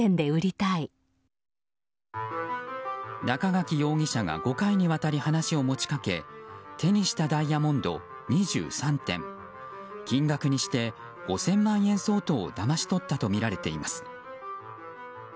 中垣容疑者が５回にわたり話を持ちかけ手にしたダイヤモンド２３点金額にして５０００万円相当をだまし取ったとみられています。